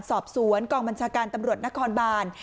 สอบสวนกองบัญชาการตำรวจนครบาน